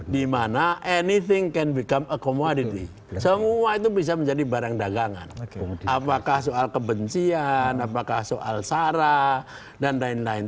dimana anything cant become a commodity semua itu bisa menjadi barang dagangan apakah soal kebencian apakah soal sarah dan lain lain